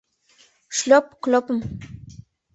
— Шлёп-клёпым...